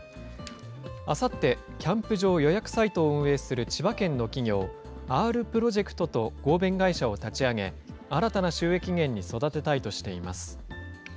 あさって、キャンプ場予約サイトを運営する千葉県の企業、Ｒ．ｐｒｏｊｅｃｔと合弁会社を立ち上げ、新たな収益源に育てたいとしています。